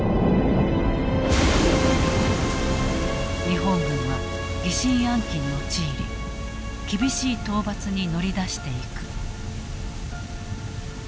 日本軍は疑心暗鬼に陥り厳しい討伐に乗り出していく。